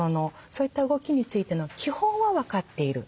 そういった動きについての基本は分かっている。